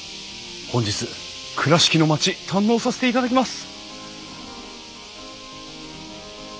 本日倉敷の町堪能させていただきます！